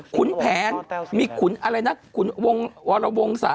ขุนแผนมีขุนอะไรนะขุนวงวรวงศะ